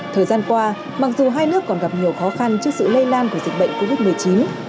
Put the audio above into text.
thời gian qua mặc dù hai nước còn gặp nhiều khó khăn trước sự lây lan của dịch bệnh covid một mươi chín